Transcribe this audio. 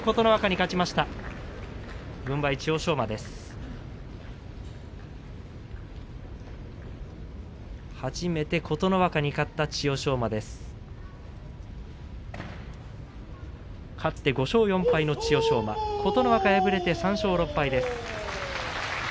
勝って５勝４敗の千代翔馬琴ノ若、敗れて３勝６敗です。